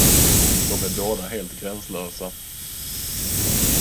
De är båda helt gränslösa.